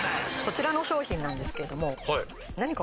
こちらの商品なんですけども。